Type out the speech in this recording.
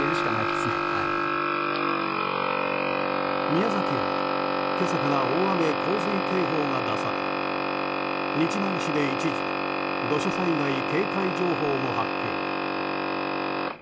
宮崎は、今朝から大雨・洪水警報が出され日南市で一時土砂災害警戒情報も発表。